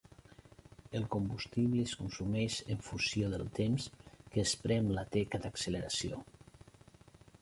El combustible es consumeix en funció del temps que es prem la teca d'acceleració.